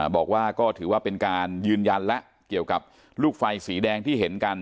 บอกว่าก็ถือว่าเป็นการยืนยันแล้วเกี่ยวกับลูกไฟสีแดงที่เห็นกัน